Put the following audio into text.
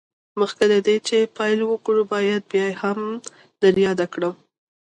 مخکې له دې چې پيل وکړو بايد بيا يې هم در ياده کړم.